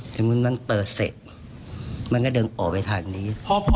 แต่มันเปิดเสร็จมันก็เดินออกไปทางนี้